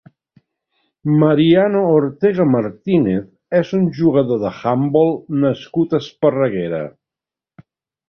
Mariano Ortega Martínez és un jugador d'handbol nascut a Esparreguera.